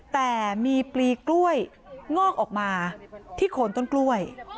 แต่มีปลีกล้วยงอกออกมาที่โคนต้นกล้วย